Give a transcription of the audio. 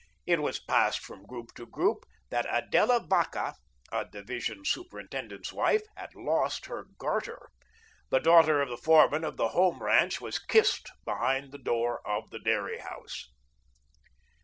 It was passed from group to group that Adela Vacca, a division superintendent's wife, had lost her garter; the daughter of the foreman of the Home ranch was kissed behind the door of the dairy house.